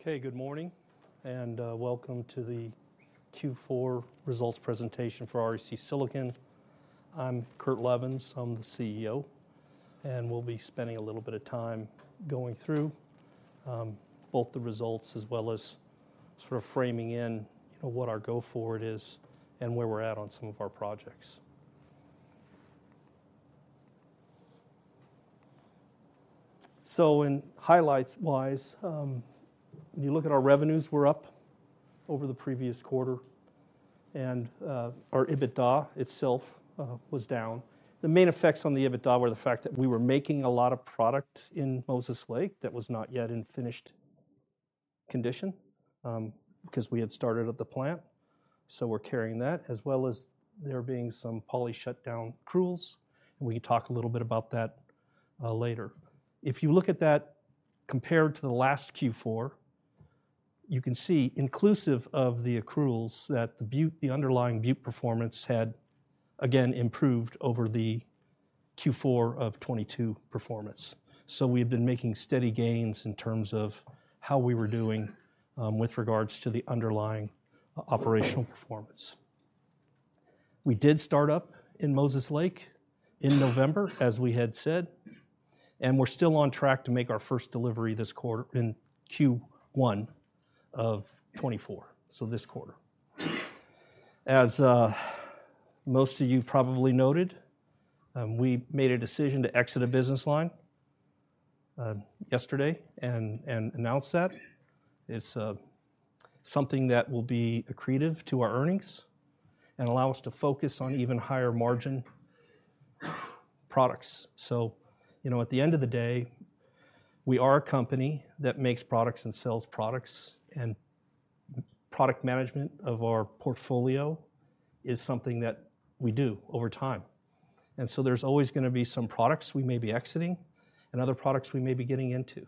Okay, good morning, and welcome to the Q4 results presentation for REC Silicon. I'm Kurt Levens, I'm the CEO, and we'll be spending a little bit of time going through both the results as well as sort of framing in, you know, what our go forward is and where we're at on some of our projects. So in highlights wise, when you look at our revenues were up over the previous quarter, and our EBITDA itself was down. The main effects on the EBITDA were the fact that we were making a lot of product in Moses Lake that was not yet in finished condition, 'cause we had started up the plant, so we're carrying that, as well as there being some poly shutdown accruals, and we can talk a little bit about that later. If you look at that compared to the last Q4, you can see, inclusive of the accruals, that the Butte, the underlying Butte performance had again improved over the Q4 of 2022 performance. So we've been making steady gains in terms of how we were doing with regards to the underlying operational performance. We did start up in Moses Lake in November, as we had said, and we're still on track to make our first delivery this quarter, in Q1 of 2024, so this quarter. As most of you probably noted, we made a decision to exit a business line yesterday and announced that. It's something that will be accretive to our earnings and allow us to focus on even higher margin products. So, you know, at the end of the day, we are a company that makes products and sells products, and product management of our portfolio is something that we do over time. And so there's always gonna be some products we may be exiting and other products we may be getting into.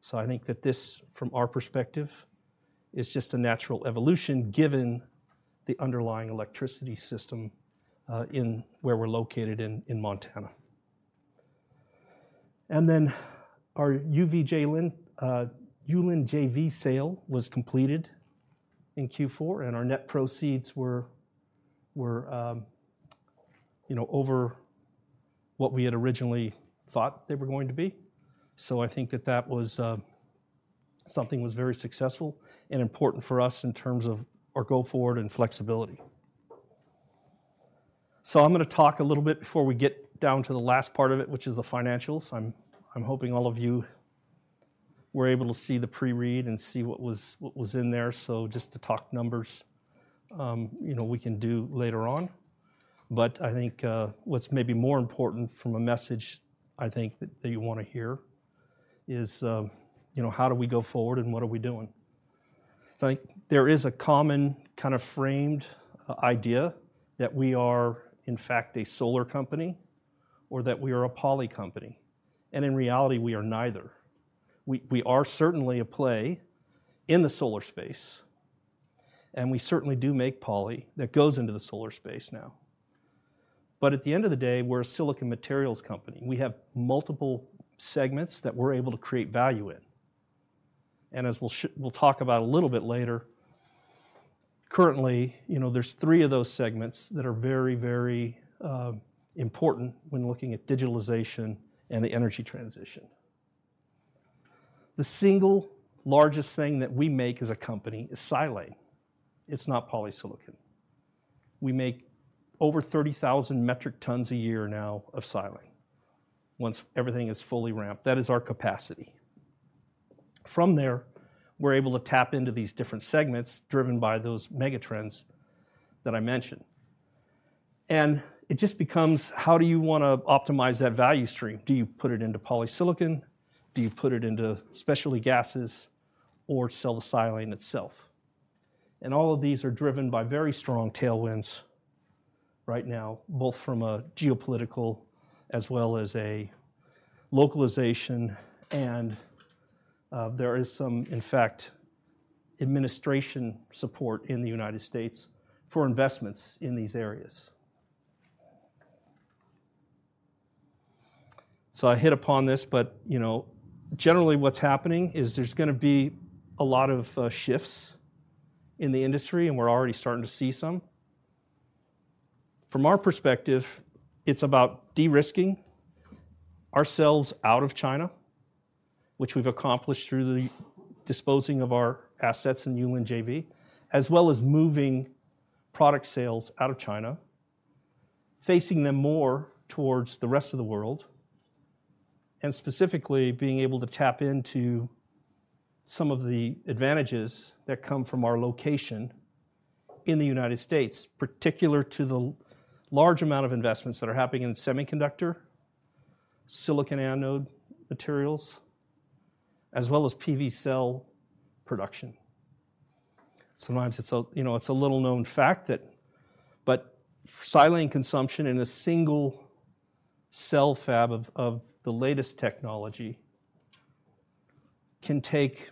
So I think that this, from our perspective, is just a natural evolution, given the underlying electricity system in where we're located in Montana. And then our Yulin JV sale was completed in Q4, and our net proceeds were, you know, over what we had originally thought they were going to be. So I think that that was something very successful and important for us in terms of our go forward and flexibility. So I'm gonna talk a little bit before we get down to the last part of it, which is the financials. I'm hoping all of you were able to see the pre-read and see what was in there. So just to talk numbers, you know, we can do later on, but I think what's maybe more important from a message I think that you want to hear is, you know, how do we go forward and what are we doing? I think there is a common kind of framed idea that we are in fact a solar company or that we are a poly company, and in reality, we are neither. We are certainly a play in the solar space, and we certainly do make poly that goes into the solar space now. But at the end of the day, we're a silicon materials company. We have multiple segments that we're able to create value in. And as we'll talk about a little bit later, currently, you know, there's three of those segments that are very, very important when looking at digitalization and the energy transition. The single largest thing that we make as a company is silane. It's not polysilicon. We make over 30,000 metric tons a year now of silane, once everything is fully ramped. That is our capacity. From there, we're able to tap into these different segments driven by those megatrends that I mentioned. And it just becomes: How do you wanna optimize that value stream? Do you put it into polysilicon? Do you put it into specialty gases or sell the silane itself? All of these are driven by very strong tailwinds right now, both from a geopolitical as well as a localization, and there is some, in fact, administration support in the United States for investments in these areas. I hit upon this, but, you know, generally what's happening is there's gonna be a lot of shifts in the industry, and we're already starting to see some. From our perspective, it's about de-risking ourselves out of China, which we've accomplished through the disposing of our assets in Yulin JV, as well as moving product sales out of China, facing them more towards the rest of the world, and specifically being able to tap into some of the advantages that come from our location in the United States, particular to the large amount of investments that are happening in semiconductor, silicon anode materials, as well as PV cell production. Sometimes it's a, you know, it's a little-known fact that. But silane consumption in a single cell fab of, of the latest technology can take,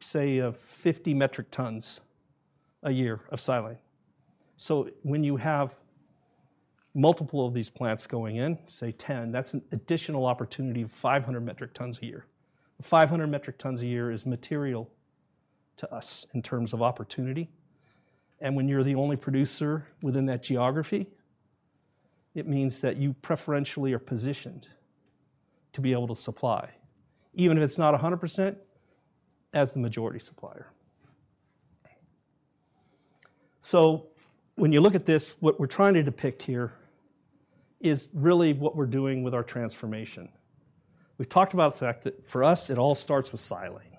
say, 50 metric tons a year of silane. So when you have multiple of these plants going in, say 10, that's an additional opportunity of 500 metric tons a year. 500 metric tons a year is material to us in terms of opportunity, and when you're the only producer within that geography, it means that you preferentially are positioned to be able to supply, even if it's not 100%, as the majority supplier. So when you look at this, what we're trying to depict here is really what we're doing with our transformation. We've talked about the fact that for us, it all starts with silane.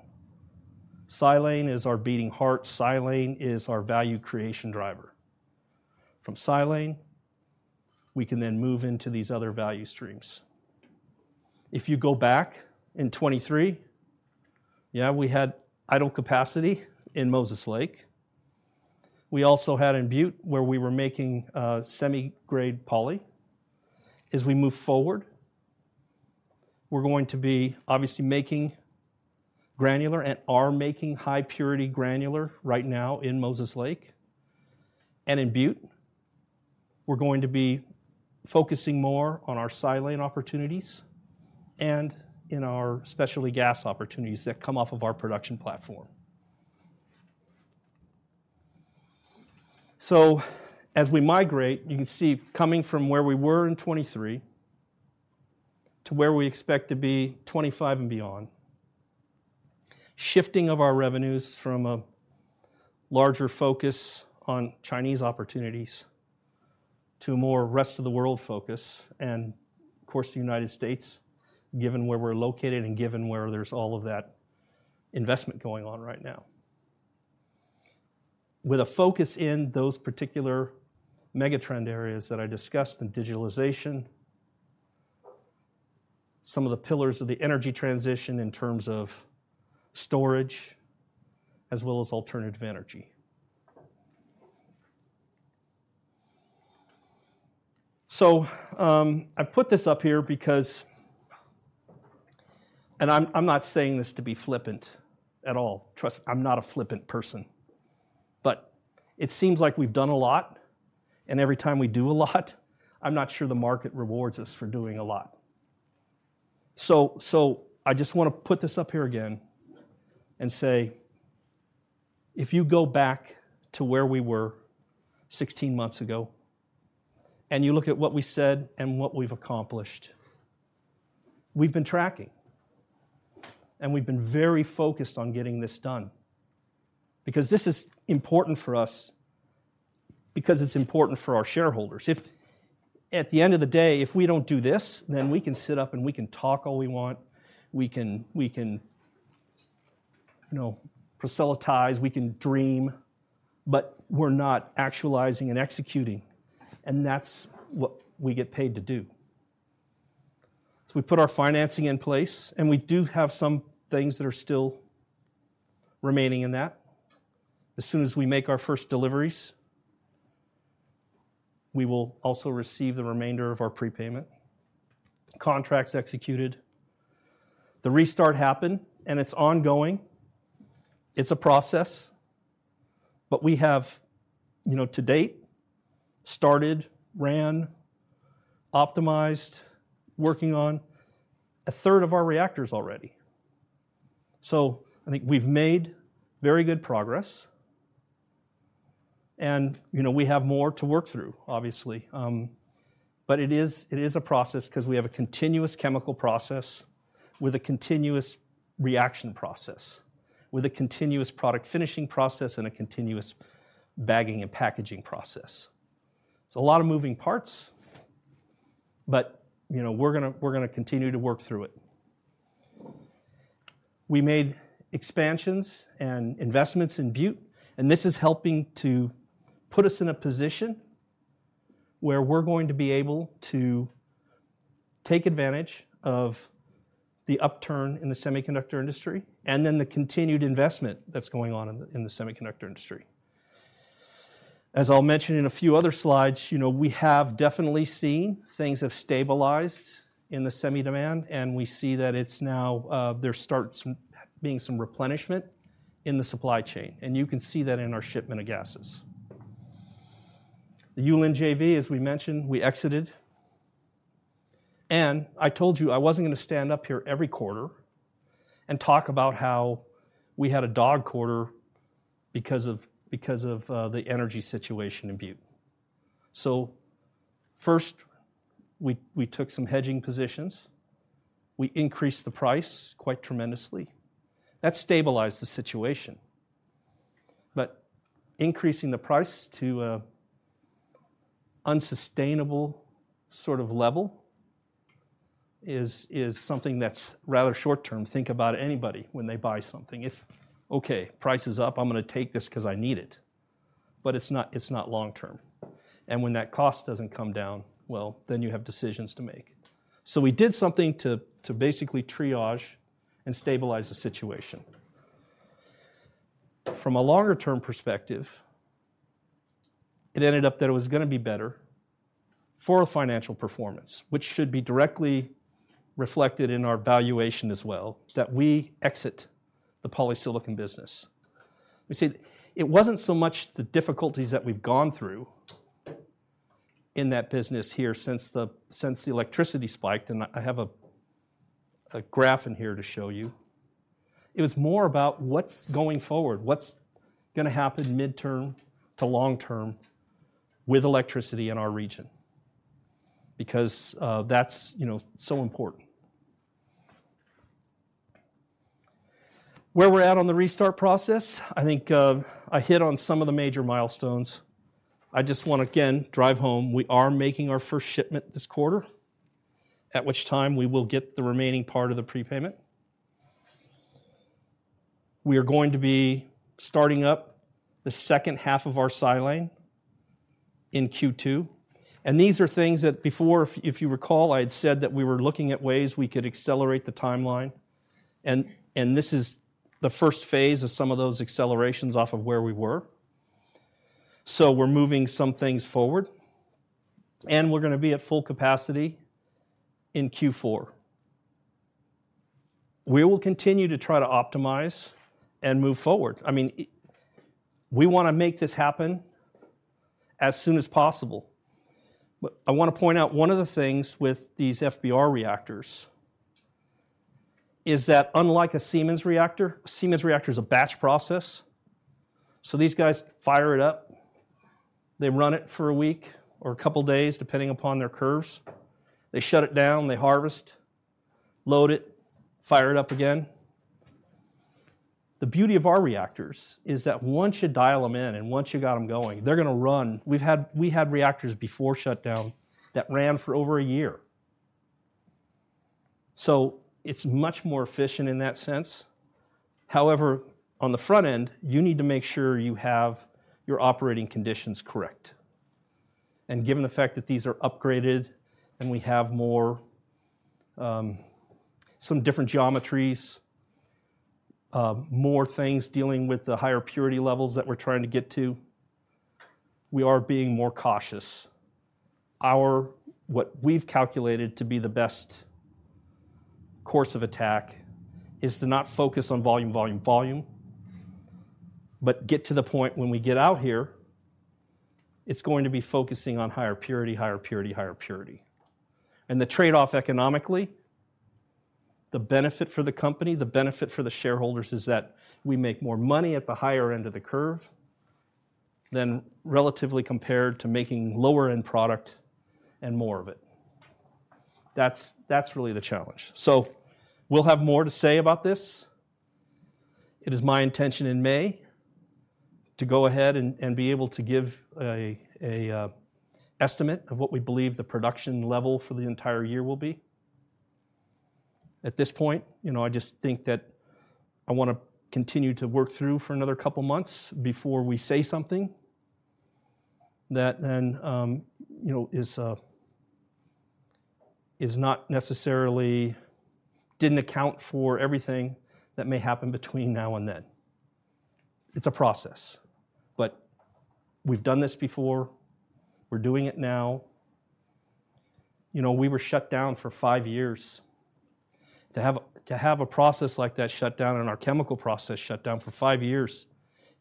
Silane is our beating heart. Silane is our value creation driver. From silane, we can then move into these other value streams. If you go back in 2023, yeah, we had idle capacity in Moses Lake. We also had in Butte, where we were making semi-grade poly. As we move forward, we're going to be obviously making granular and are making high purity granular right now in Moses Lake and in Butte. We're going to be focusing more on our silane opportunities and in our specialty gas opportunities that come off of our production platform. So as we migrate, you can see coming from where we were in 2023 to where we expect to be 2025 and beyond, shifting of our revenues from a larger focus on Chinese opportunities to a more rest of the world focus, and of course, the United States, given where we're located and given where there's all of that investment going on right now. With a focus in those particular megatrend areas that I discussed in digitalization, some of the pillars of the energy transition in terms of storage, as well as alternative energy. So, I put this up here because. And I'm not saying this to be flippant at all. Trust, I'm not a flippant person, but it seems like we've done a lot, and every time we do a lot, I'm not sure the market rewards us for doing a lot. So I just wanna put this up here again and say, if you go back to where we were 16 months ago and you look at what we said and what we've accomplished, we've been tracking, and we've been very focused on getting this done, because this is important for us, because it's important for our shareholders. If at the end of the day, if we don't do this, then we can sit up and we can talk all we want. We can you know, proselytize, we can dream, but we're not actualizing and executing, and that's what we get paid to do. So we put our financing in place, and we do have some things that are still remaining in that. As soon as we make our first deliveries, we will also receive the remainder of our prepayment. Contracts executed, the restart happened, and it's ongoing. It's a process, but we have, you know, to date, started, ran, optimized, working on a third of our reactors already. So I think we've made very good progress, and, you know, we have more to work through, obviously. But it is, it is a process 'cause we have a continuous chemical process, with a continuous reaction process, with a continuous product finishing process, and a continuous bagging and packaging process. It's a lot of moving parts, but, you know, we're gonna- we're gonna continue to work through it. We made expansions and investments in Butte, and this is helping to put us in a position where we're going to be able to take advantage of the upturn in the semiconductor industry and then the continued investment that's going on in the semiconductor industry. As I'll mention in a few other slides, you know, we have definitely seen things have stabilized in the semi demand, and we see that it's now there starts being some replenishment in the supply chain, and you can see that in our shipment of gases. The Yulin JV, as we mentioned, we exited, and I told you I wasn't gonna stand up here every quarter and talk about how we had a dog quarter because of the energy situation in Butte. So first, we took some hedging positions. We increased the price quite tremendously. That stabilized the situation. But increasing the price to an unsustainable sort of level is something that's rather short term. Think about anybody when they buy something. If, okay, price is up, I'm gonna take this 'cause I need it, but it's not, it's not long term. And when that cost doesn't come down, well, then you have decisions to make. So we did something to basically triage and stabilize the situation. From a longer term perspective, it ended up that it was gonna be better for our financial performance, which should be directly reflected in our valuation as well, that we exit the polysilicon business. We see, it wasn't so much the difficulties that we've gone through in that business here since the electricity spiked, and I have a graph in here to show you. It was more about what's going forward, what's gonna happen midterm to long term with electricity in our region. Because that's, you know, so important. Where we're at on the restart process, I think I hit on some of the major milestones. I just wanna, again, drive home, we are making our first shipment this quarter, at which time we will get the remaining part of the prepayment. We are going to be starting up the second half of our silane in Q2, and these are things that before, if you recall, I had said that we were looking at ways we could accelerate the timeline, and this is the first phase of some of those accelerations off of where we were. So we're moving some things forward, and we're gonna be at full capacity in Q4. We will continue to try to optimize and move forward. I mean, we wanna make this happen as soon as possible. But I wanna point out, one of the things with these FBR reactors is that unlike a Siemens reactor, a Siemens reactor is a batch process, so these guys fire it up, they run it for a week or a couple of days, depending upon their curves. They shut it down, they harvest, load it, fire it up again. The beauty of our reactors is that once you dial them in and once you got them going, they're gonna run. We had reactors before shutdown that ran for over a year. So it's much more efficient in that sense. However, on the front end, you need to make sure you have your operating conditions correct. Given the fact that these are upgraded and we have more, some different geometries, more things dealing with the higher purity levels that we're trying to get to, we are being more cautious. What we've calculated to be the best course of attack is to not focus on volume, volume, volume, but get to the point when we get out here, it's going to be focusing on higher purity, higher purity, higher purity. The trade-off economically, the benefit for the company, the benefit for the shareholders, is that we make more money at the higher end of the curve than relatively compared to making lower-end product and more of it. That's, that's really the challenge. We'll have more to say about this. It is my intention in May to go ahead and be able to give an estimate of what we believe the production level for the entire year will be. At this point, you know, I just think that I wanna continue to work through for another couple of months before we say something that then, you know, is not necessarily didn't account for everything that may happen between now and then. It's a process, but we've done this before. We're doing it now. You know, we were shut down for five years. To have, to have a process like that shut down and our chemical process shut down for five years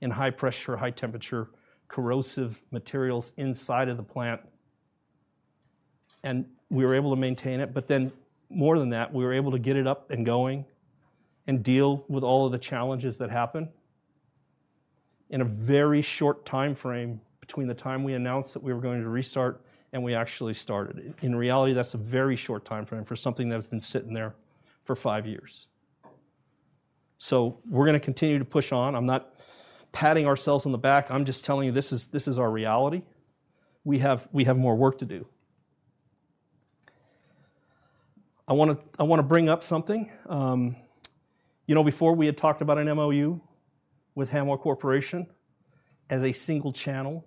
in high pressure, high temperature, corrosive materials inside of the plant, and we were able to maintain it, but then more than that, we were able to get it up and going and deal with all of the challenges that happened in a very short time frame between the time we announced that we were going to restart and we actually started. In reality, that's a very short time frame for something that has been sitting there for five years. So we're gonna continue to push on. I'm not patting ourselves on the back, I'm just telling you, this is, this is our reality. We have, we have more work to do. I wanna, I wanna bring up something. You know, before we had talked about an MOU with Hanwha Corporation as a single channel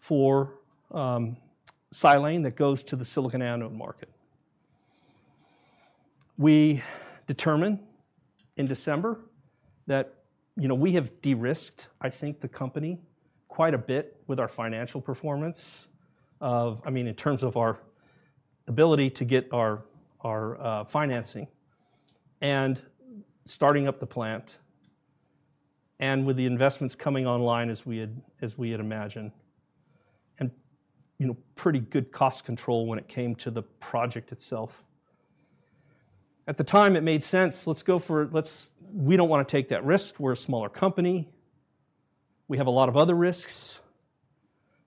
for silane that goes to the silicon anode market. We determined in December that, you know, we have de-risked, I think, the company quite a bit with our financial performance. I mean, in terms of our ability to get our financing and starting up the plant, and with the investments coming online as we had imagined, and, you know, pretty good cost control when it came to the project itself. At the time, it made sense. Let's go for it. We don't wanna take that risk. We're a smaller company. We have a lot of other risks.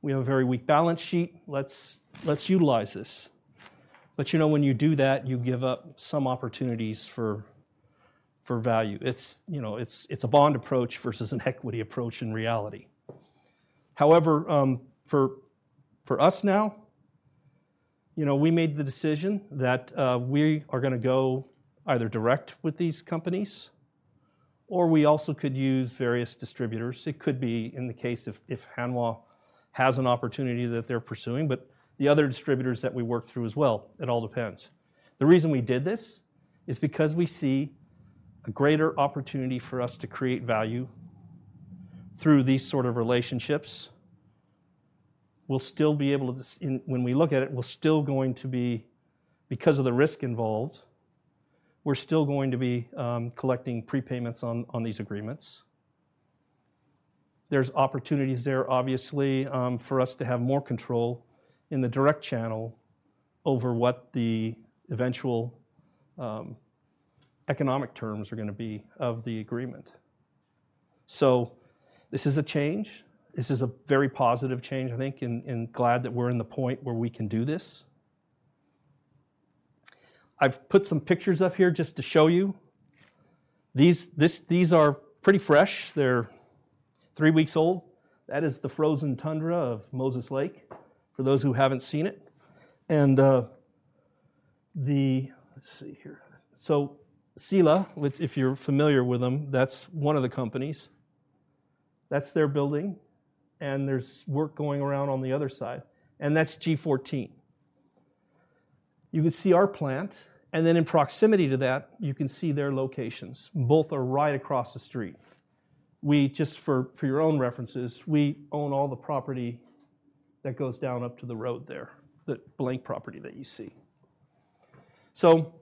We have a very weak balance sheet. Let's utilize this. But you know, when you do that, you give up some opportunities for value. It's, you know, a bond approach versus an equity approach in reality. However, for us now, you know, we made the decision that we are gonna go either direct with these companies, or we also could use various distributors. It could be in the case if Hanwha has an opportunity that they're pursuing, but the other distributors that we work through as well. It all depends. The reason we did this is because we see a greater opportunity for us to create value through these sort of relationships. We'll still be able to and when we look at it, we're still going to be, because of the risk involved, we're still going to be collecting prepayments on these agreements. There's opportunities there, obviously, for us to have more control in the direct channel over what the eventual economic terms are gonna be of the agreement. So this is a change. This is a very positive change, I think, and glad that we're in the point where we can do this. I've put some pictures up here just to show you. These are pretty fresh. They're three weeks old. That is the frozen tundra of Moses Lake, for those who haven't seen it. And, let's see here. So Sila, which if you're familiar with them, that's one of the companies. That's their building, and there's work going around on the other side, and that's G14. You can see our plant, and then in proximity to that, you can see their locations. Both are right across the street. Just for your own references, we own all the property that goes down up to the road there, the blank property that you see. So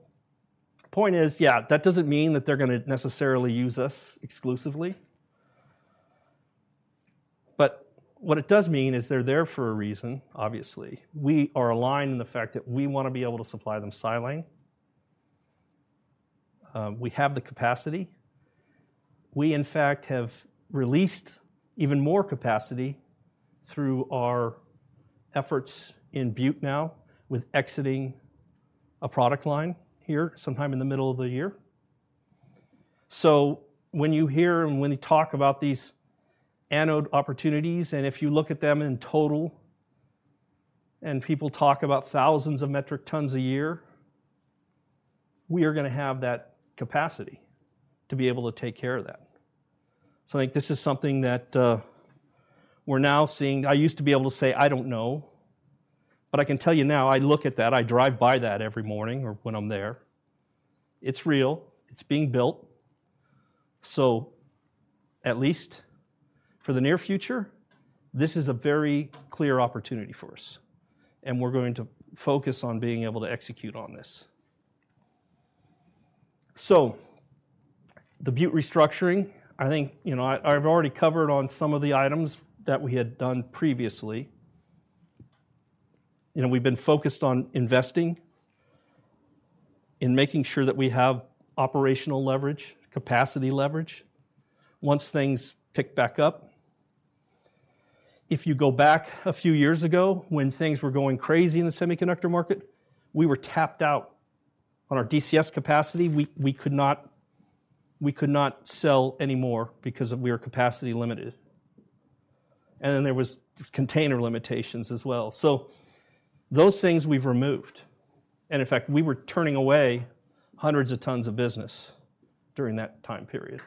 point is, yeah, that doesn't mean that they're gonna necessarily use us exclusively. But what it does mean is they're there for a reason, obviously. We are aligned in the fact that we wanna be able to supply them silane. We have the capacity. We, in fact, have released even more capacity through our efforts in Butte now, with exiting a product line here sometime in the middle of the year. So when you hear and when you talk about these anode opportunities, and if you look at them in total, and people talk about thousands of metric tons a year, we are gonna have that capacity to be able to take care of that. So I think this is something that we're now seeing. I used to be able to say, "I don't know," but I can tell you now, I look at that, I drive by that every morning or when I'm there. It's real. It's being built. So at least for the near future, this is a very clear opportunity for us, and we're going to focus on being able to execute on this. So the Butte restructuring, I think, you know, I've already covered on some of the items that we had done previously. You know, we've been focused on investing, in making sure that we have operational leverage, capacity leverage once things pick back up. If you go back a few years ago, when things were going crazy in the semiconductor market, we were tapped out on our DCS capacity. We could not sell any more because we were capacity limited. And then there was container limitations as well. So those things we've removed, and in fact, we were turning away hundreds of tons of business during that time period.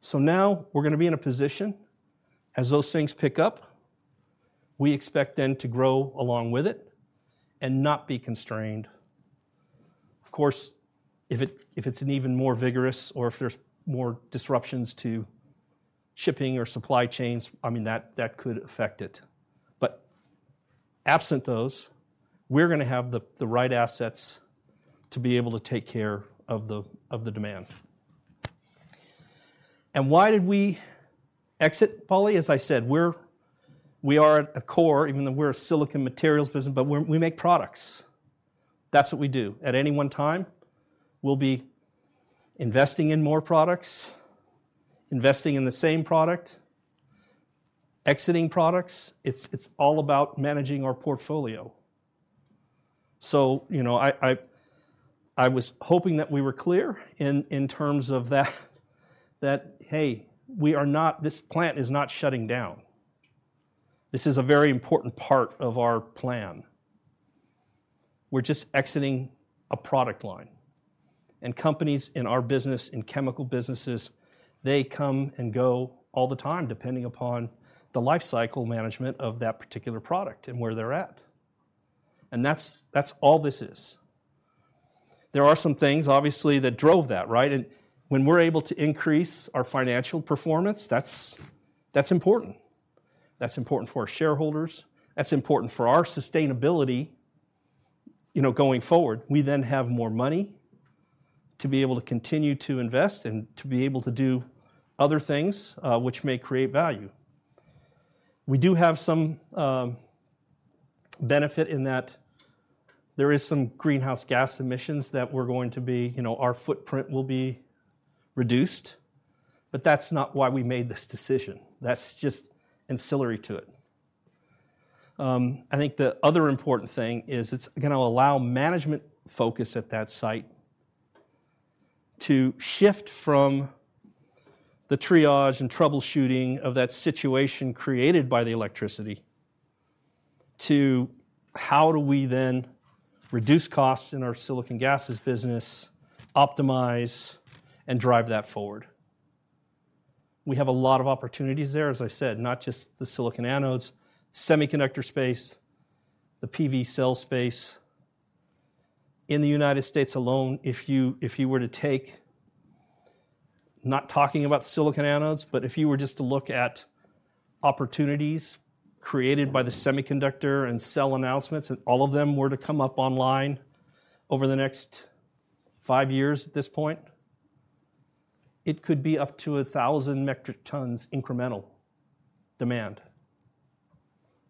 So now we're gonna be in a position, as those things pick up, we expect then to grow along with it and not be constrained. Of course, if it's an even more vigorous or if there's more disruptions to shipping or supply chains, I mean, that could affect it. But absent those, we're gonna have the right assets to be able to take care of the demand. And why did we exit poly? As I said, we are at a core, even though we're a silicon materials business, but we make products. That's what we do. At any one time, we'll be investing in more products, investing in the same product, exiting products. It's all about managing our portfolio. So you know, I was hoping that we were clear in terms of that, hey, we are not—this plant is not shutting down. This is a very important part of our plan. We're just exiting a product line. And companies in our business, in chemical businesses, they come and go all the time, depending upon the life cycle management of that particular product and where they're at. And that's all this is. There are some things, obviously, that drove that, right? And when we're able to increase our financial performance, that's important. That's important for our shareholders, that's important for our sustainability, you know, going forward. We then have more money to be able to continue to invest and to be able to do other things, which may create value. We do have some benefit in that there is some greenhouse gas emissions that we're going to be, you know, our footprint will be reduced, but that's not why we made this decision. That's just ancillary to it. I think the other important thing is it's gonna allow management focus at that site to shift from the triage and troubleshooting of that situation created by the electricity, to how do we then reduce costs in our silicon gases business, optimize, and drive that forward. We have a lot of opportunities there, as I said, not just the silicon anodes, semiconductor space, the PV cell space. In the United States alone, if you were to take. Not talking about silicon anodes, but if you were just to look at opportunities created by the semiconductor and cell announcements, and all of them were to come up online over the next five years at this point, it could be up to 1,000 metric tons incremental demand.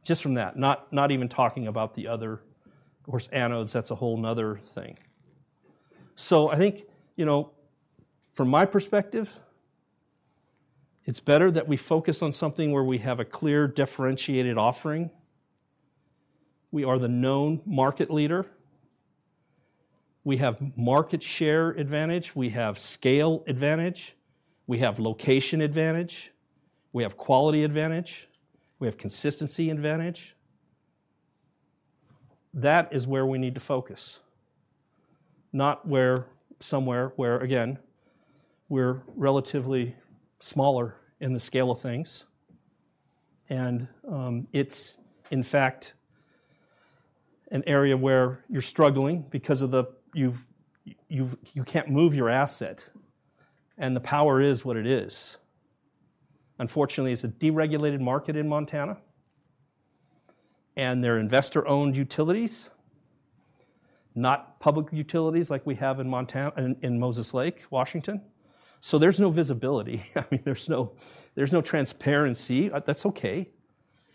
Just from that, not even talking about the other, of course, anodes, that's a whole another thing. So I think, you know, from my perspective, it's better that we focus on something where we have a clear, differentiated offering. We are the known market leader. We have market share advantage, we have scale advantage, we have location advantage, we have quality advantage, we have consistency advantage. That is where we need to focus, not where-- somewhere where, again, we're relatively smaller in the scale of things, and, it's, in fact, an area where you're struggling because of the-- you've, you can't move your asset, and the power is what it is. Unfortunately, it's a deregulated market in Montana, and they're investor-owned utilities, not public utilities like we have in Montana-- in Moses Lake, Washington. So there's no visibility. I mean, there's no transparency. That's okay.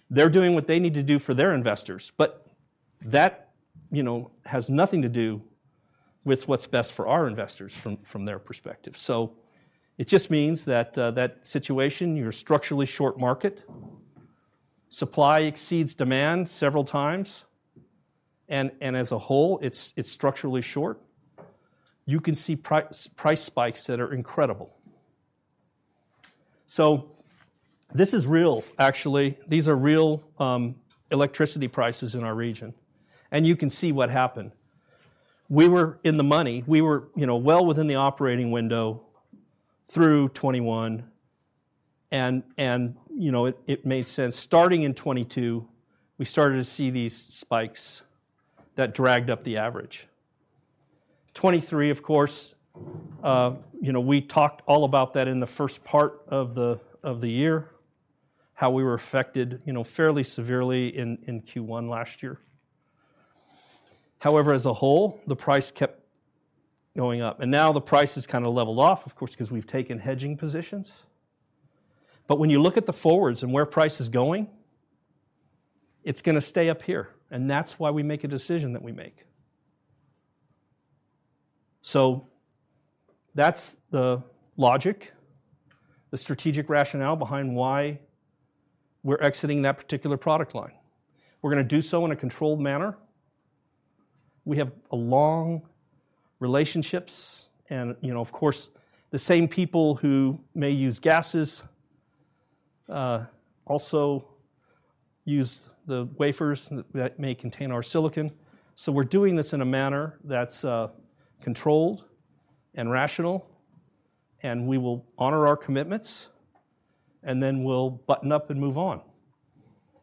They're doing what they need to do for their investors, but that, you know, has nothing to do with what's best for our investors from, from their perspective. So it just means that, that situation, you're a structurally short market. Supply exceeds demand several times, and as a whole, it's structurally short. You can see price spikes that are incredible. So this is real, actually. These are real, electricity prices in our region, and you can see what happened. We were in the money. We were, you know, well within the operating window through 2021, and, you know, it made sense. Starting in 2022, we started to see these spikes that dragged up the average. 2023, of course, you know, we talked all about that in the first part of the year, how we were affected, you know, fairly severely in Q1 last year. However, as a whole, the price kept going up, and now the price has kinda leveled off, of course, because we've taken hedging positions. But when you look at the forwards and where price is going, it's gonna stay up here, and that's why we make a decision that we make. So that's the logic, the strategic rationale behind why we're exiting that particular product line. We're gonna do so in a controlled manner. We have a long relationships and, you know, of course, the same people who may use gases also use the wafers that may contain our silicon. So we're doing this in a manner that's controlled and rational, and we will honor our commitments, and then we'll button up and move on.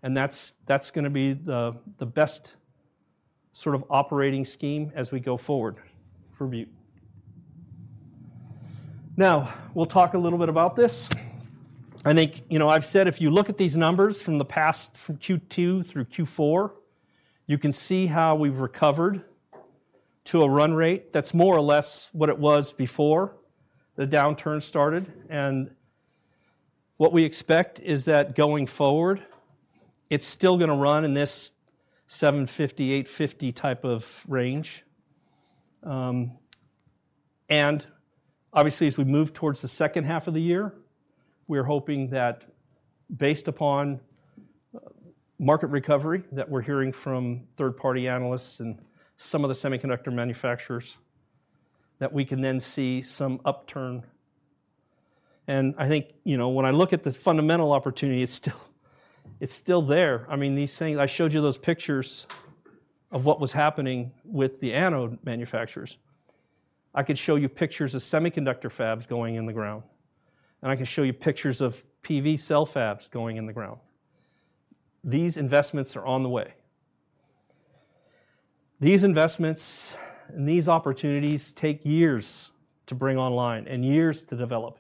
And that's gonna be the best sort of operating scheme as we go forward for Butte. Now, we'll talk a little bit about this. I think, you know, I've said if you look at these numbers from the past, from Q2 through Q4, you can see how we've recovered to a run rate that's more or less what it was before the downturn started, and what we expect is that going forward, it's still gonna run in this 750-850 type of range. And obviously, as we move towards the second half of the year, we're hoping that based upon market recovery that we're hearing from third-party analysts and some of the semiconductor manufacturers, that we can then see some upturn. I think, you know, when I look at the fundamental opportunity, it's still, it's still there. I mean, these things- I showed you those pictures of what was happening with the anode manufacturers. I could show you pictures of semiconductor fabs going in the ground, and I can show you pictures of PV cell fabs going in the ground. These investments are on the way. These investments and these opportunities take years to bring online and years to develop.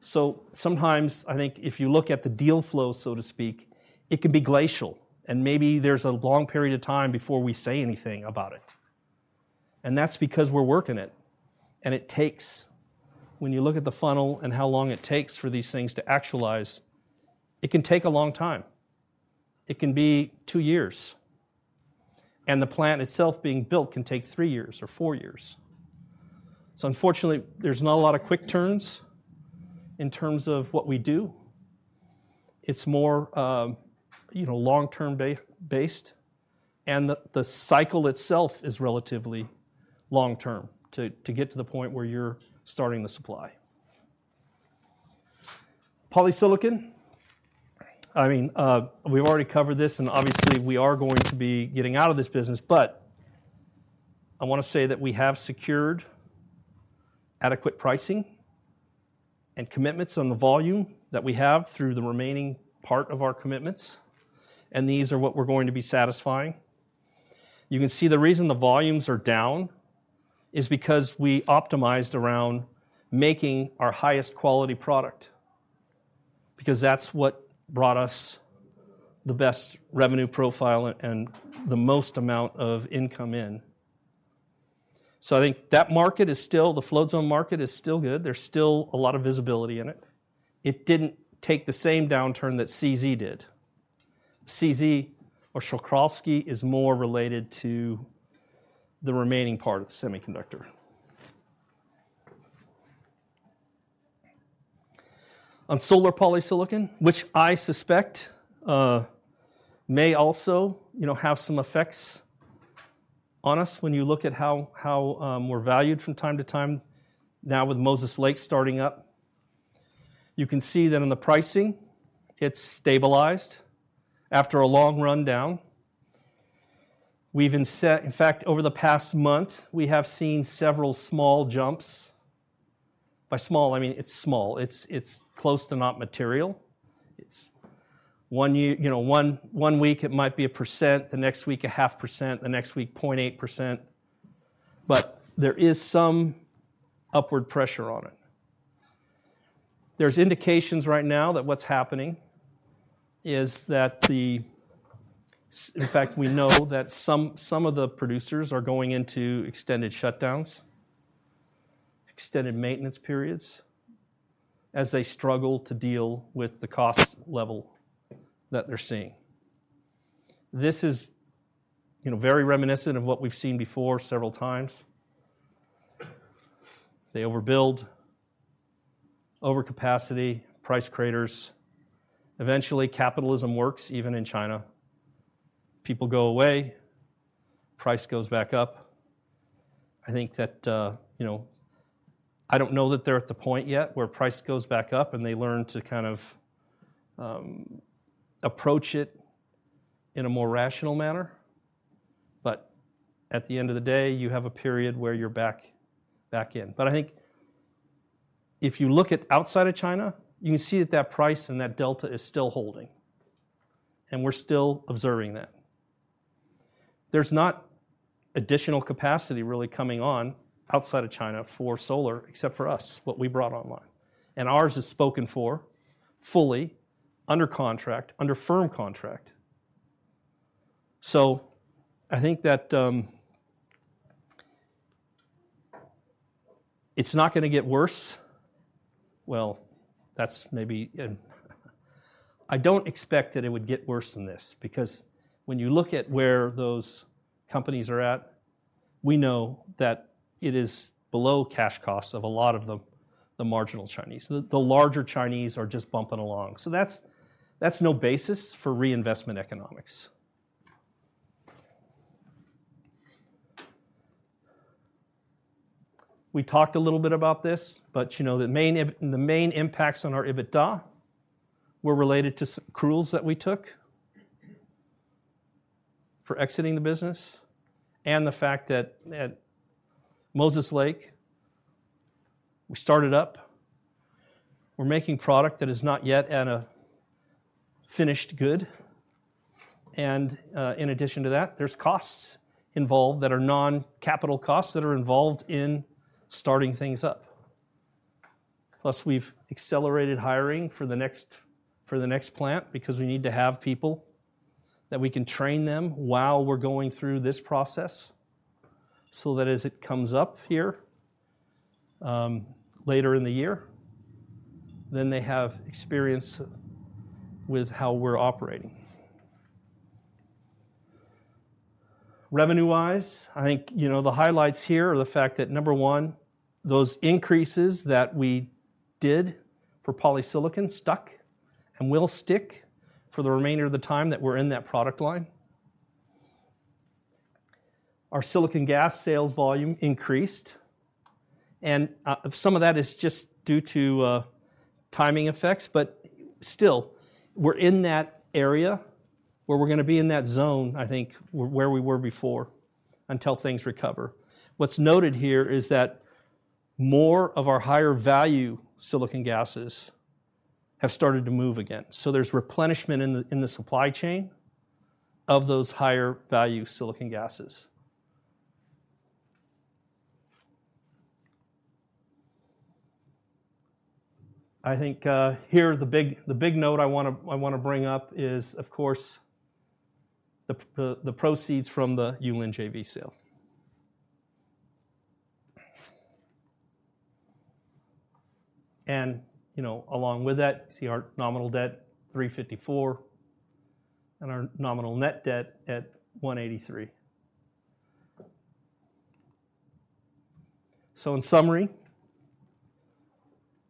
So sometimes, I think if you look at the deal flow, so to speak, it can be glacial, and maybe there's a long period of time before we say anything about it, and that's because we're working it, and it takes... When you look at the funnel and how long it takes for these things to actualize, it can take a long time. It can be two years, and the plant itself being built can take three years or four years. So unfortunately, there's not a lot of quick turns in terms of what we do. It's more, you know, long-term based, and the cycle itself is relatively long-term, to get to the point where you're starting the supply. Polysilicon. I mean, we've already covered this, and obviously, we are going to be getting out of this business, but I wanna say that we have secured adequate pricing and commitments on the volume that we have through the remaining part of our commitments, and these are what we're going to be satisfying. You can see the reason the volumes are down is because we optimized around making our highest quality product, because that's what brought us the best revenue profile and the most amount of income in. So I think that market is still the Float Zone market is still good. There's still a lot of visibility in it. It didn't take the same downturn that CZ did. CZ or Czochralski is more related to the remaining part of the semiconductor. On solar polysilicon, which I suspect, may also, you know, have some effects on us when you look at how, how, we're valued from time to time, now with Moses Lake starting up. You can see that in the pricing, it's stabilized after a long run down. We've even set. In fact, over the past month, we have seen several small jumps. By small, I mean, it's small. It's, it's close to not material. It's one, you know, one week it might be 1%, the next week, 0.5%, the next week, 0.8%, but there is some upward pressure on it. There's indications right now that what's happening is that. In fact, we know that some of the producers are going into extended shutdowns, extended maintenance periods, as they struggle to deal with the cost level that they're seeing. This is, you know, very reminiscent of what we've seen before several times. They overbuild, overcapacity, price craters. Eventually, capitalism works, even in China. People go away, price goes back up. I think that, you know... I don't know that they're at the point yet where price goes back up and they learn to kind of approach it in a more rational manner. But at the end of the day, you have a period where you're back in. But I think if you look at outside of China, you can see that that price and that delta is still holding, and we're still observing that. There's not additional capacity really coming on outside of China for solar, except for us, what we brought online, and ours is spoken for fully under contract, under firm contract. So I think that it's not gonna get worse. Well, that's maybe I don't expect that it would get worse than this because when you look at where those companies are at, we know that it is below cash costs of a lot of the marginal Chinese. The larger Chinese are just bumping along, so that's no basis for reinvestment economics. We talked a little bit about this, but you know, the main impacts on our EBITDA were related to accruals that we took for exiting the business and the fact that at Moses Lake, we started up. We're making product that is not yet at a finished good, and in addition to that, there's costs involved that are non-capital costs that are involved in starting things up. Plus, we've accelerated hiring for the next, for the next plant because we need to have people that we can train them while we're going through this process, so that as it comes up here later in the year, then they have experience with how we're operating. Revenue-wise, I think, you know, the highlights here are the fact that, number one, those increases that we did for polysilicon stuck and will stick for the remainder of the time that we're in that product line. Our silicon gas sales volume increased, and some of that is just due to timing effects, but still, we're in that area where we're gonna be in that zone, I think, where we were before, until things recover. What's noted here is that more of our higher value silicon gases have started to move again, so there's replenishment in the supply chain of those higher value silicon gases. I think, here, the big note I wanna bring up is, of course, the proceeds from the Yulin JV sale. And, you know, along with that, you see our nominal debt, $354, and our nominal net debt at $183. So in summary,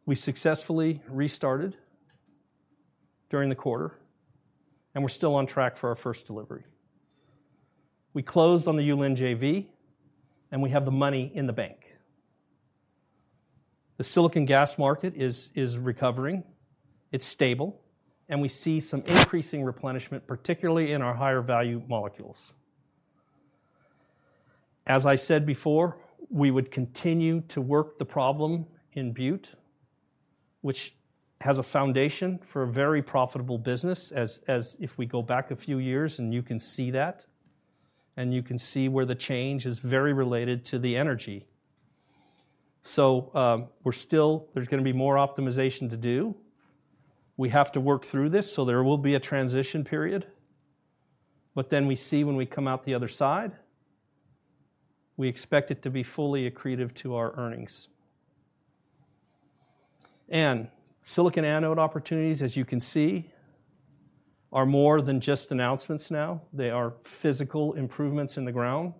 we successfully restarted during the quarter, and we're still on track for our first delivery. We closed on the Yulin JV, and we have the money in the bank. The silicon gas market is recovering, it's stable, and we see some increasing replenishment, particularly in our higher value molecules. As I said before, we would continue to work the problem in Butte, which has a foundation for a very profitable business, as if we go back a few years, and you can see that, and you can see where the change is very related to the energy. So, we're still. There's gonna be more optimization to do. We have to work through this, so there will be a transition period. But then we see when we come out the other side, we expect it to be fully accretive to our earnings. And silicon anode opportunities, as you can see, are more than just announcements now. They are physical improvements in the ground,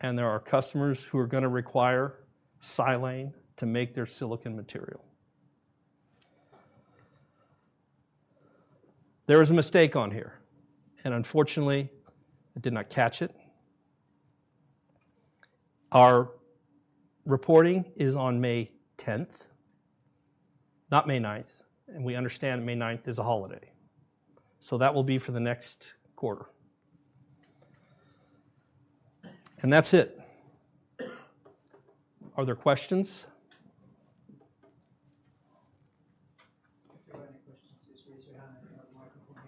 and there are customers who are gonna require silane to make their silicon material. There is a mistake on here, and unfortunately, I did not catch it. Our reporting is on May tenth, not May ninth, and we understand May ninth is a holiday. So that will be for the next quarter. And that's it. Are there questions? If you have any questions, just raise your hand, and we have a microphone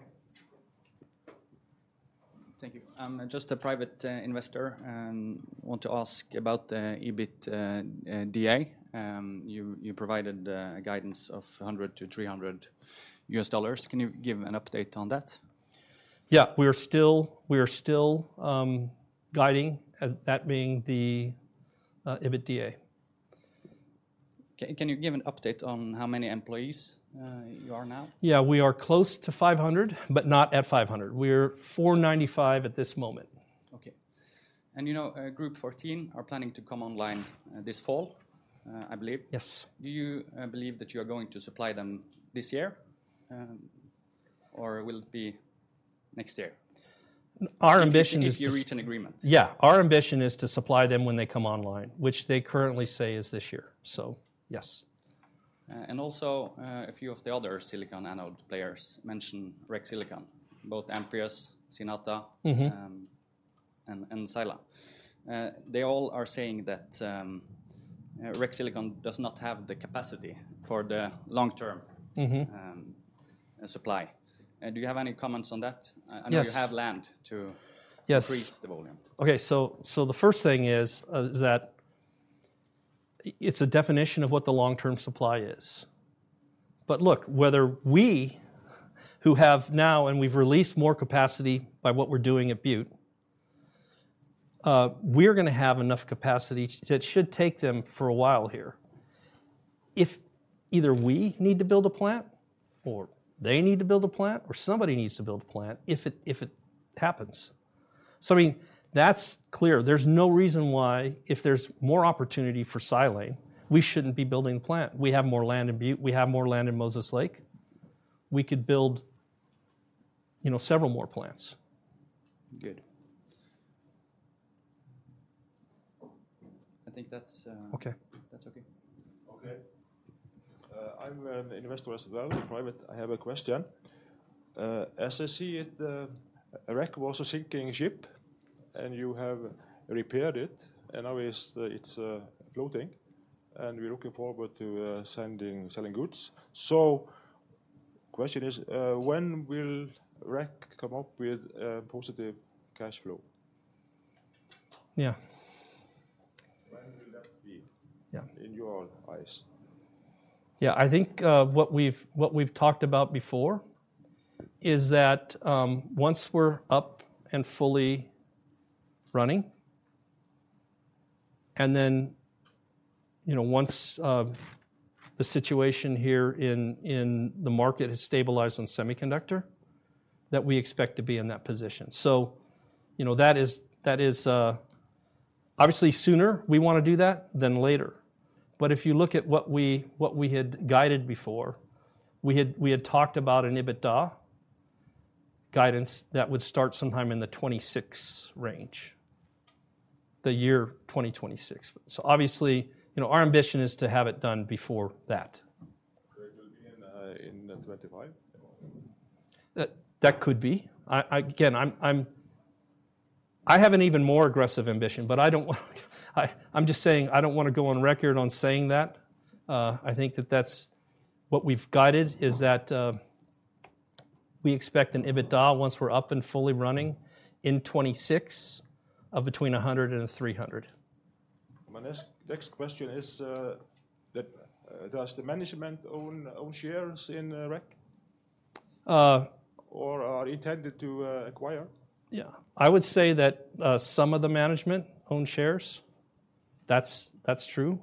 here. Thank you. I'm just a private investor and want to ask about the EBITDA. You provided a guidance of $100-$300. Can you give an update on that? Yeah, we are still guiding that being the EBITDA. Can you give an update on how many employees you are now? Yeah, we are close to $500, but not at $500. We're $495 at this moment. Okay. You know, Group14 are planning to come online this fall, I believe. Yes. Do you believe that you are going to supply them this year, or will it be next year? Our ambition is- If you reach an agreement. Yeah. Our ambition is to supply them when they come online, which they currently say is this year, so yes. And also, a few of the other silicon anode players mention REC Silicon, both Amprius, Sila and Sila. They all are saying that REC Silicon does not have the capacity for the long-term supply. Do you have any comments on that? Yes. I know you have land to increase the volume. Okay, so the first thing is that it's a definition of what the long-term supply is. But look, whether we, who have now, and we've released more capacity by what we're doing at Butte, we're gonna have enough capacity to. It should take them for a while here. If either we need to build a plant, or they need to build a plant, or somebody needs to build a plant, if it happens. So, I mean, that's clear. There's no reason why if there's more opportunity for silane, we shouldn't be building a plant. We have more land in Butte. We have more land in Moses Lake. We could build, you know, several more plants. Good. I think that's okay. Okay. I'm an investor as well, private. I have a question. As I see it, REC was a sinking ship, and you have repaired it, and now it's floating, and we're looking forward to selling goods. So question is, when will REC come up with a positive cash flow? Yeah. When will that be in your eyes? Yeah, I think, what we've, what we've talked about before is that, once we're up and fully running, and then, you know, once, the situation here in, in the market has stabilized on semiconductor, that we expect to be in that position. So, you know, that is, that is, Obviously, sooner we wanna do that than later. But if you look at what we, what we had guided before, we had, we had talked about an EBITDA guidance that would start sometime in the 2026 range, the year 2026. So obviously, you know, our ambition is to have it done before that. So it will be in 2025? That could be. Again, I have an even more aggressive ambition, but I don't want, I'm just saying I don't wanna go on record on saying that. I think that's what we've guided, is that we expect an EBITDA once we're up and fully running in 2026 of between $100 and $300. My next question is, does the management own shares in REC? Or are intended to acquire? Yeah. I would say that some of the management own shares. That's, that's true.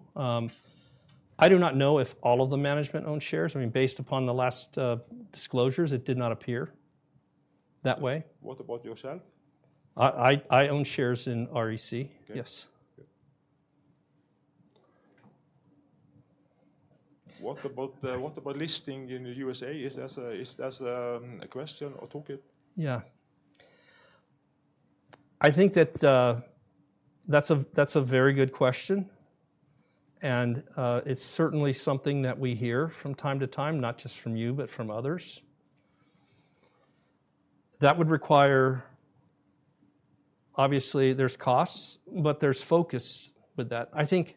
I do not know if all of the management own shares. I mean, based upon the last disclosures, it did not appear that way. What about yourself? I own shares in REC. Okay. Yes. Okay. What about, what about listing in the USA? Is that a, is that, a question or topic? Yeah. I think that that's a very good question, and it's certainly something that we hear from time to time, not just from you, but from others. That would require, obviously, there's costs, but there's focus with that. I think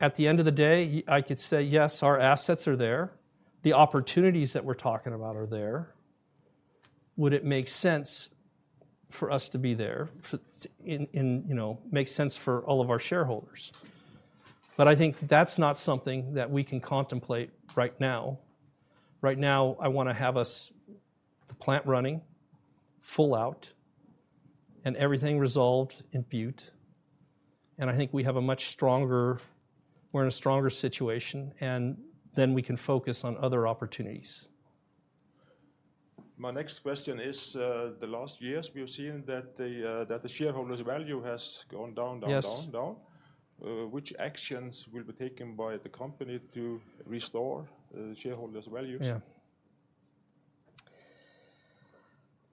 at the end of the day, I could say, yes, our assets are there. The opportunities that we're talking about are there. Would it make sense for us to be there, you know, make sense for all of our shareholders? But I think that's not something that we can contemplate right now. Right now, I wanna have us, the plant running full out and everything resolved in Butte, and I think we have a much stronger. We're in a stronger situation, and then we can focus on other opportunities. My next question is, the last years we have seen that the shareholders' value has gone down, down, down. Which actions will be taken by the company to restore shareholders' values? Yeah.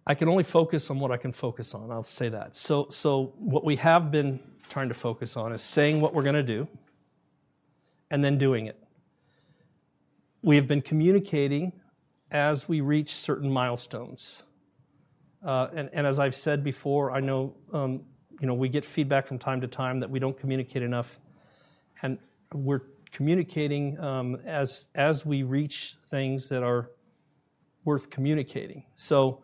I can only focus on what I can focus on, I'll say that. So what we have been trying to focus on is saying what we're gonna do, and then doing it. We have been communicating as we reach certain milestones. And as I've said before, I know, you know, we get feedback from time to time that we don't communicate enough, and we're communicating as we reach things that are worth communicating. So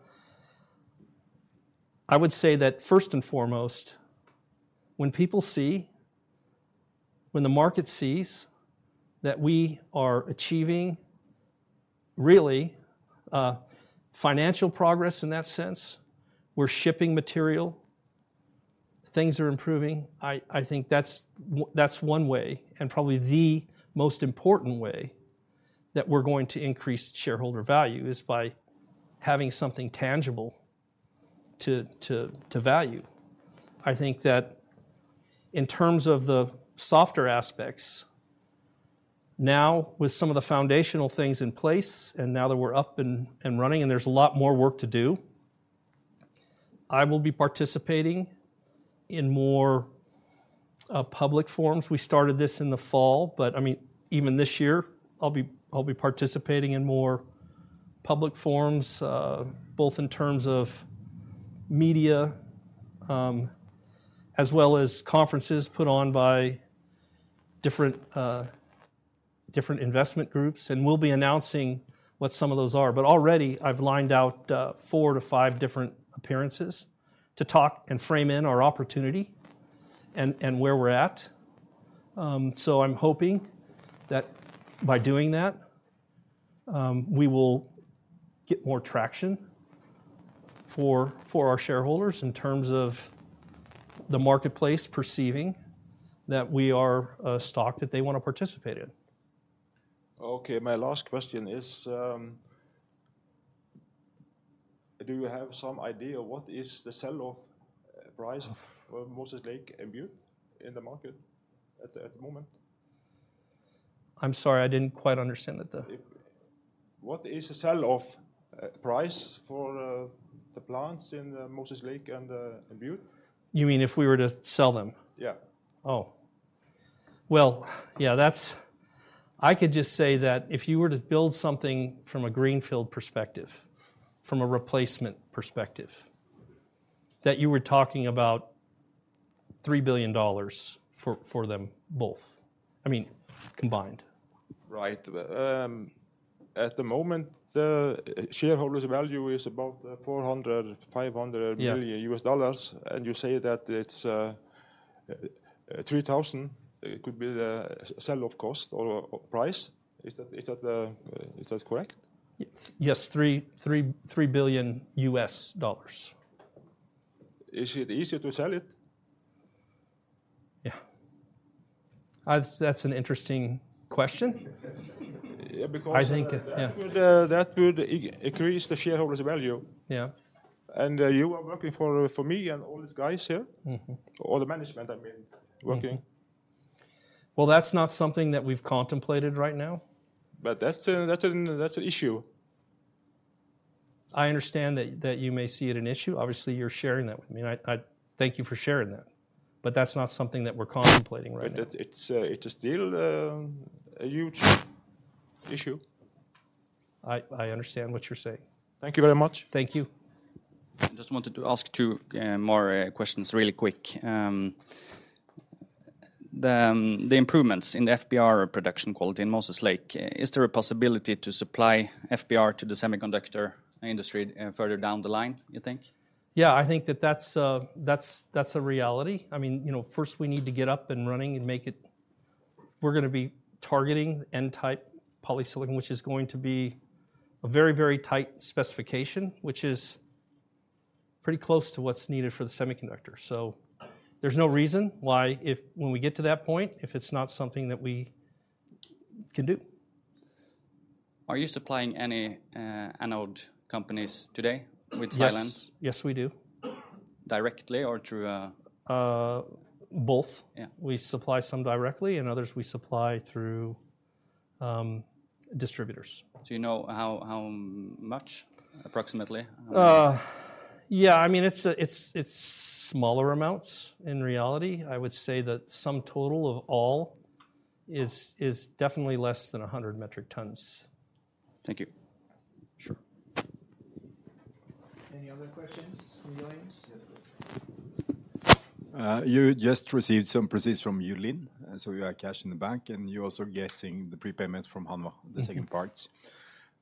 I would say that first and foremost, when people see, when the market sees, that we are achieving really financial progress in that sense, we're shipping material, things are improving, I think that's one way, and probably the most important way, that we're going to increase shareholder value, is by having something tangible to value. I think that in terms of the softer aspects, now with some of the foundational things in place, and now that we're up and running, and there's a lot more work to do, I will be participating in more public forums. We started this in the fall, but I mean, even this year, I'll be participating in more public forums, both in terms of media as well as conferences put on by different investment groups, and we'll be announcing what some of those are. But already, I've lined out 4-5 different appearances to talk and frame our opportunity and where we're at. So I'm hoping that by doing that, we will get more traction for our shareholders in terms of the marketplace perceiving that we are a stock that they wanna participate in. Okay, my last question is, do you have some idea what is the sell-off price of Moses Lake and Butte in the market at the moment? I'm sorry, I didn't quite understand that there. What is the sell-off price for the plants in Moses Lake and Butte? You mean if we were to sell them? Yeah. Oh. Well, yeah, that's. I could just say that if you were to build something from a greenfield perspective, from a replacement perspective, that you were talking about $3 billion for, for them both, I mean, combined. Right. But at the moment, the shareholders' value is about $400 million to $500 million US dollars, and you say that it's $3,000, could be the sell-off cost or price. Is that correct? Yes, $3 billion. Is it easier to sell it? Yeah. That's, that's an interesting question. Yeah, because- I think, yeah. That would, that would increase the shareholders' value. You are working for me and all these guys here. All the management, I mean, working. Well, that's not something that we've contemplated right now. But that's an issue. I understand that you may see it an issue. Obviously, you're sharing that with me, and I thank you for sharing that, but that's not something that we're contemplating right now. But it's still a huge issue. I understand what you're saying. Thank you very much. Thank you. I just wanted to ask two more questions really quick. The improvements in the FBR production quality in Moses Lake, is there a possibility to supply FBR to the semiconductor industry, further down the line, you think? Yeah, I think that that's a reality. I mean, you know, first we need to get up and running and make it. We're gonna be targeting N-type Polysilicon, which is going to be a very, very tight specification, which is pretty close to what's needed for the semiconductor. So there's no reason why, if, when we get to that point, if it's not something that we can do. Are you supplying any, anode companies today with silane? Yes. Yes, we do. Directly or through a- Uh, both. Yeah. We supply some directly, and others we supply through distributors. Do you know how much approximately? Yeah, I mean, it's smaller amounts in reality. I would say that sum total of all is definitely less than 100 metric tons. Thank you. Sure. Any other questions from the audience? Yes, please. You just received some proceeds from Yulin, and so you have cash in the bank, and you're also getting the prepayments from Hanwha the second parts.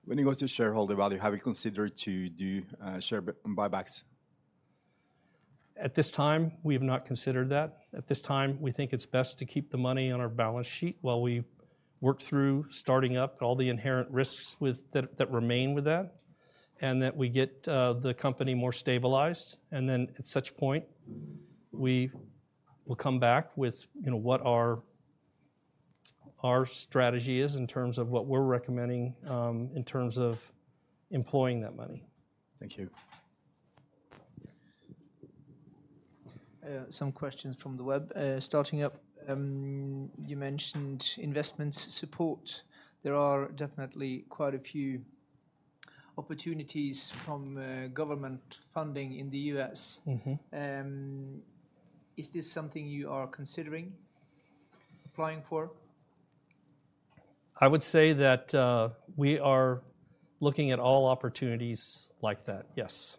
When it goes to shareholder value, have you considered to do share buybacks? At this time, we have not considered that. At this time, we think it's best to keep the money on our balance sheet while we work through starting up all the inherent risks with that, that remain with that, and that we get the company more stabilized. And then at such point, we will come back with, you know, what our, our strategy is in terms of what we're recommending in terms of employing that money. Thank you. Some questions from the web. Starting up, you mentioned investments support. There are definitely quite a few opportunities from government funding in the U.S. Is this something you are considering applying for? I would say that, we are looking at all opportunities like that, yes.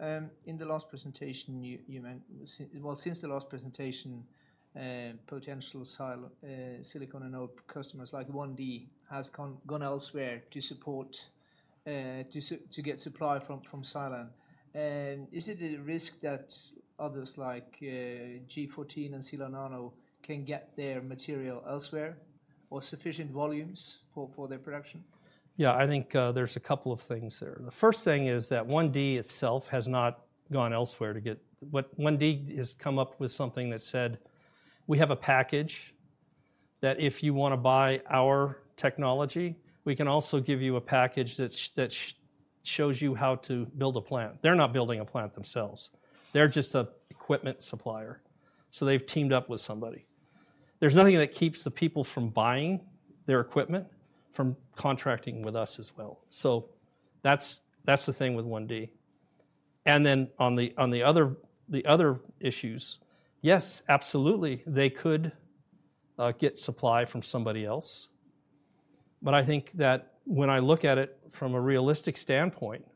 In the last presentation, well, since the last presentation, potential silicon anode customers like OneD has gone elsewhere to support to get supply from silane. Is it a risk that others like G14 and Sila Nano can get their material elsewhere, or sufficient volumes for their production? Yeah, I think there's a couple of things there. The first thing is that OneD itself has not gone elsewhere to get. What OneD has come up with something that said, "We have a package, that if you wanna buy our technology, we can also give you a package that shows you how to build a plant." They're not building a plant themselves. They're just a equipment supplier, so they've teamed up with somebody. There's nothing that keeps the people from buying their equipment from contracting with us as well. So that's the thing with OneD. And then on the other issues, yes, absolutely, they could get supply from somebody else. But I think that when I look at it from a realistic standpoint,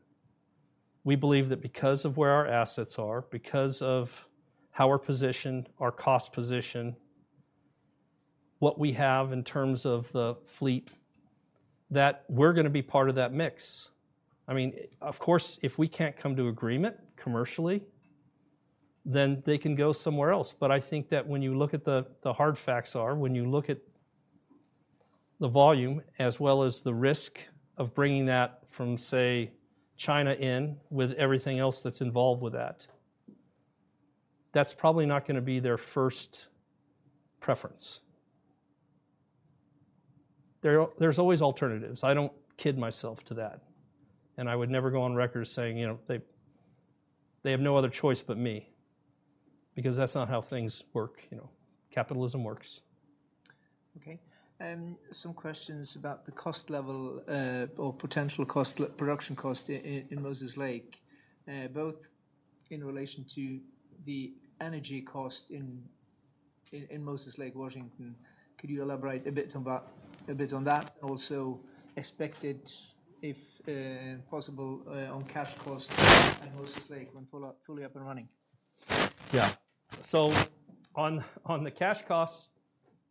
we believe that because of where our assets are, because of how we're positioned, our cost position, what we have in terms of the fleet, that we're gonna be part of that mix. I mean, of course, if we can't come to agreement commercially, then they can go somewhere else. But I think that when you look at the hard facts are, when you look at the volume as well as the risk of bringing that from, say, China in, with everything else that's involved with that, that's probably not gonna be their first preference. There's always alternatives. I don't kid myself to that, and I would never go on record as saying, you know, "They, they have no other choice but me," because that's not how things work, you know. Capitalism works. Okay. Some questions about the cost level, or potential cost level production cost in Moses Lake. Both in relation to the energy cost in Moses Lake, Washington. Could you elaborate a bit about a bit on that, and also expected, if possible, on cash costs in Moses Lake when fully up and running? Yeah. So on the cash costs,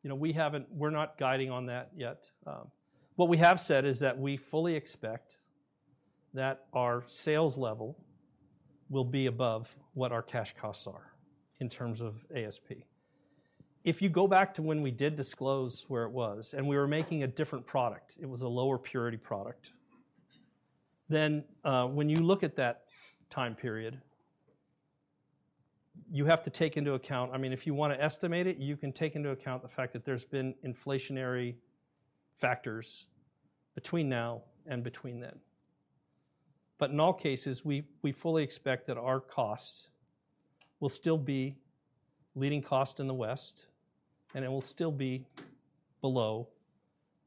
you know, we haven't. We're not guiding on that yet. What we have said is that we fully expect that our sales level will be above what our cash costs are in terms of ASP. If you go back to when we did disclose where it was, and we were making a different product, it was a lower purity product, then, when you look at that time period, you have to take into account. I mean, if you wanna estimate it, you can take into account the fact that there's been inflationary factors between now and then. But in all cases, we fully expect that our costs will still be leading cost in the West, and it will still be below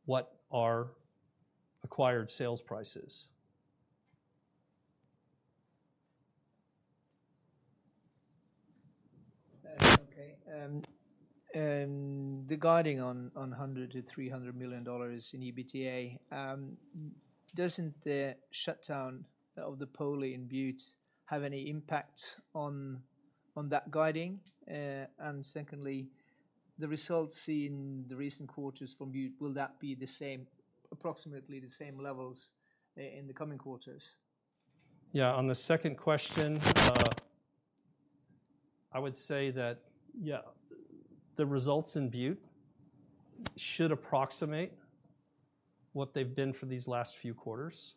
what our average sales price is. The guidance on $100 million to $300 million in EBITDA, doesn't the shutdown of the poly in Butte have any impact on that guidance? And secondly, the results seen in the recent quarters from Butte, will that be the same - approximately the same levels in the coming quarters? Yeah, on the second question, I would say that, yeah, the results in Butte should approximate what they've been for these last few quarters.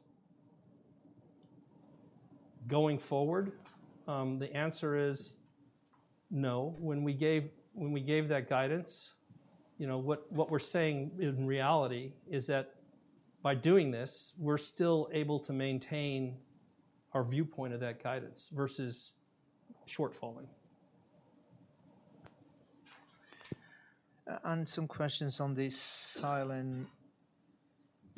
Going forward, the answer is no. When we gave, when we gave that guidance, you know, what, what we're saying in reality is that by doing this, we're still able to maintain our viewpoint of that guidance versus short falling. And some questions on the silane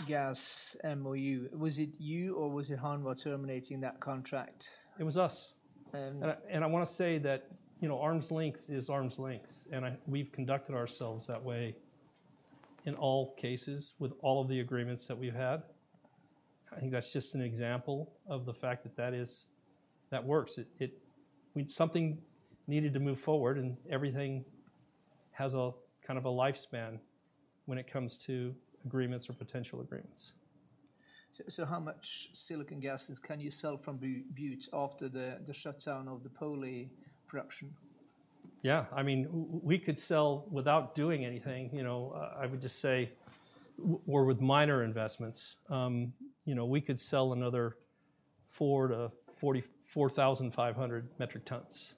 gas MOU, was it you or was it Hanwha terminating that contract? It was us. I wanna say that, you know, arm's length is arm's length, and we've conducted ourselves that way in all cases, with all of the agreements that we've had. I think that's just an example of the fact that that is. That works. Something needed to move forward, and everything has a kind of a lifespan when it comes to agreements or potential agreements. So, how much silicon gases can you sell from Butte after the shutdown of the poly production? Yeah, I mean, we could sell without doing anything, you know, I would just say or with minor investments. You know, we could sell another 44,500 metric tons.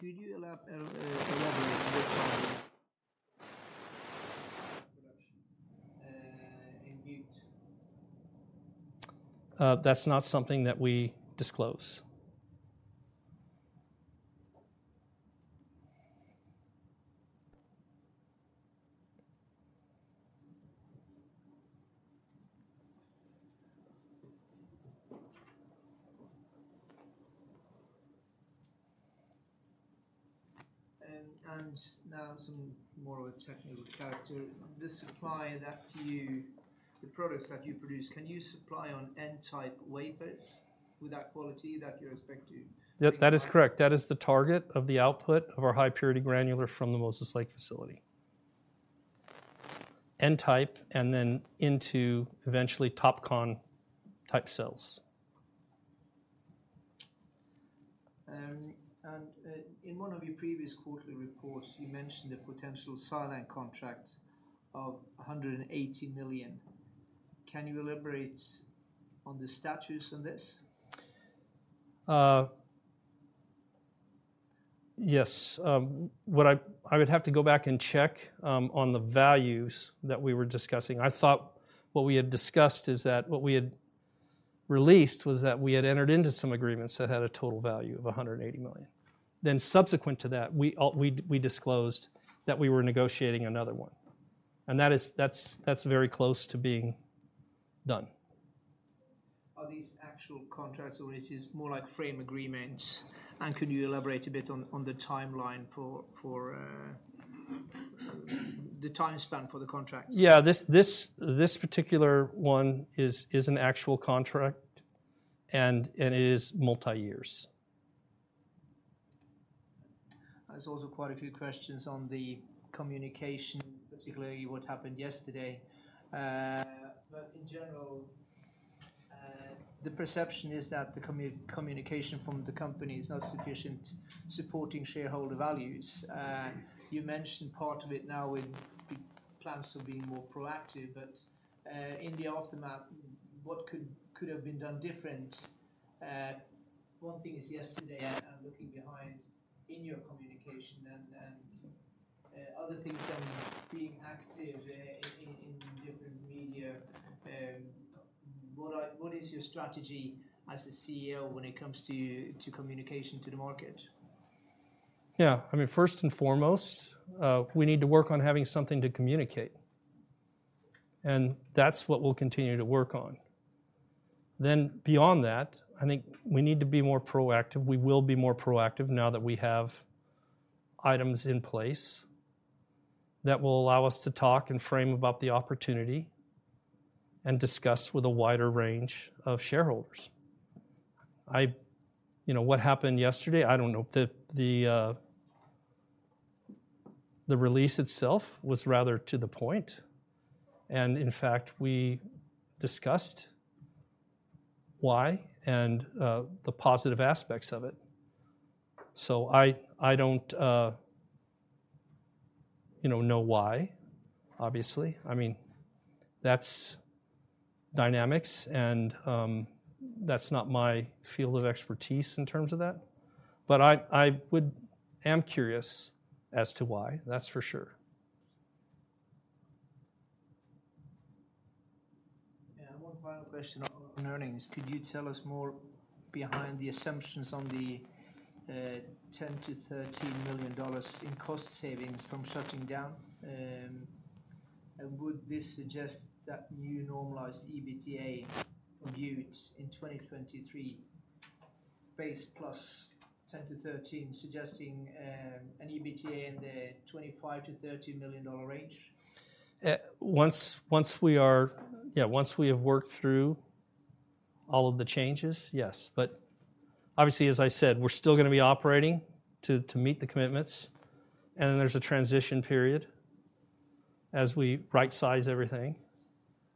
Could you elaborate a bit on the production in Butte? That's not something that we disclose. Now some more of a technical character. The products that you produce, can you supply on N-type wafers with that quality that you expect to? That, that is correct. That is the target of the output of our high-purity granular from the Moses Lake facility. N-type, and then into eventually TOPCon-type cells. In one of your previous quarterly reports, you mentioned a potential silane contract of $180 million. Can you elaborate on the status on this? Yes. What I would have to go back and check on the values that we were discussing. I thought what we had discussed is that what we had released was that we had entered into some agreements that had a total value of $180 million. Then subsequent to that, we disclosed that we were negotiating another one, and that's very close to being done. Are these actual contracts or this is more like frame agreements? And could you elaborate a bit on the timeline for the time span for the contracts? Yeah, this particular one is an actual contract, and it is multi-year. There's also quite a few questions on the communication, particularly what happened yesterday. But in general, the perception is that the communication from the company is not sufficient supporting shareholder values. You mentioned part of it now with the plans for being more proactive, but in the aftermath, what could have been done different? One thing is yesterday and looking behind in your communication and other things than being active in different media. What is your strategy as a CEO when it comes to communication to the market? Yeah. I mean, first and foremost, we need to work on having something to communicate, and that's what we'll continue to work on. Then beyond that, I think we need to be more proactive. We will be more proactive now that we have items in place that will allow us to talk and frame about the opportunity and discuss with a wider range of shareholders. You know, what happened yesterday, I don't know. The release itself was rather to the point, and in fact, we discussed why and the positive aspects of it. So I don't, you know, know why, obviously. I mean, that's dynamics, and that's not my field of expertise in terms of that. But I would, I am curious as to why, that's for sure. Yeah, one final question on earnings. Could you tell us more behind the assumptions on the $10 million-$13 million in cost savings from shutting down? And would this suggest that new normalized EBITDA from Butte in 2023, base +10 to 13, suggesting an EBITDA in the $25 million-$30 million range? Yeah, once we have worked through all of the changes, yes. But obviously, as I said, we're still gonna be operating to meet the commitments, and then there's a transition period as we rightsize everything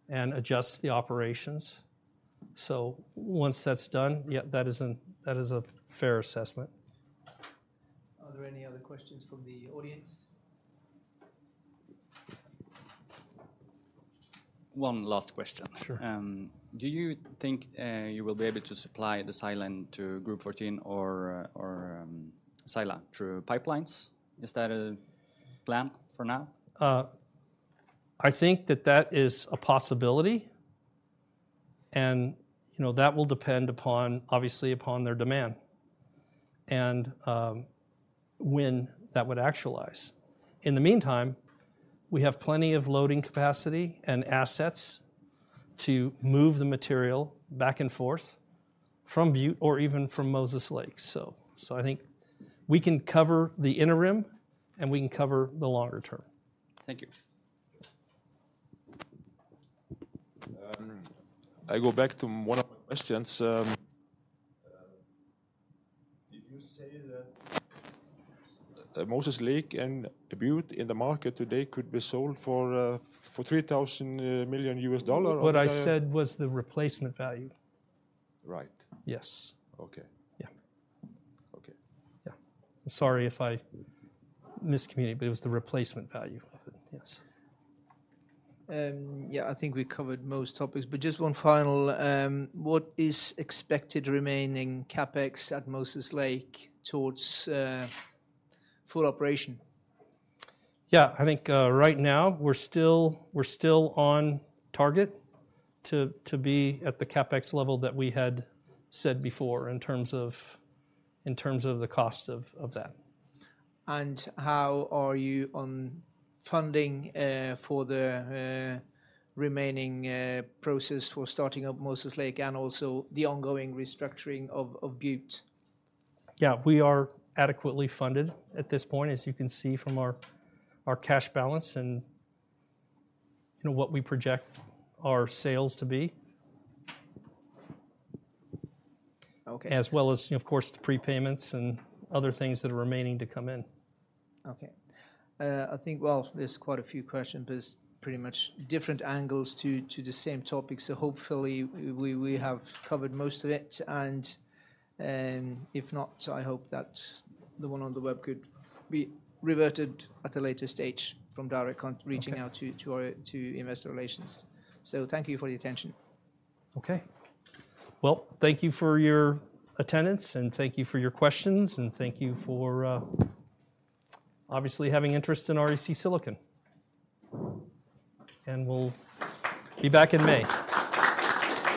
and adjust the operations. So once that's done, yeah, that is an. That is a fair assessment. Are there any other questions from the audience? One last question. Sure. Do you think you will be able to supply the silane to Group14 or silane through pipelines? Is that a plan for now? I think that that is a possibility, and, you know, that will depend upon, obviously, upon their demand, and, when that would actualize. In the meantime, we have plenty of loading capacity and assets to move the material back and forth from Butte or even from Moses Lake. So, I think we can cover the interim, and we can cover the longer term. Thank you. I go back to one of my questions. Did you say that Moses Lake and Butte in the market today could be sold for $3 billion or- What I said was the replacement value. Right. Yes. Okay. Yeah. Okay. Yeah. Sorry if I miscommunicated, but it was the replacement value of it, yes. Yeah, I think we covered most topics, but just one final. What is expected remaining CapEx at Moses Lake towards full operation? Yeah, I think right now, we're still on target to be at the CapEx level that we had said before, in terms of the cost of that. How are you on funding for the remaining process for starting up Moses Lake and also the ongoing restructuring of Butte? Yeah, we are adequately funded at this point, as you can see from our cash balance and, you know, what we project our sales to be. Okay. As well as, of course, the prepayments and other things that are remaining to come in. Okay. I think, well, there's quite a few questions, but it's pretty much different angles to the same topic, so hopefully we have covered most of it, and if not, I hope that the one on the web could be reverted at a later stage from direct con reaching out to our investor relations. So thank you for the attention. Okay. Well, thank you for your attendance, and thank you for your questions, and thank you for obviously having interest in REC Silicon. And we'll be back in May.